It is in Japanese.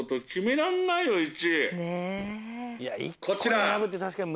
こちら。